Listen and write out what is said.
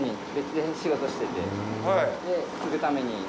で、継ぐために。